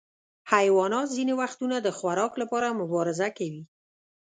حیوانات ځینې وختونه د خوراک لپاره مبارزه کوي.